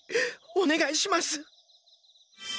おねがいします。